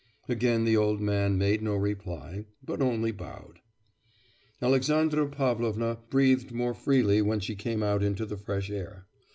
Again the old man made no reply, but only bowed. Alexandra Pavlovna breathed more freely when she came out into the fresh air.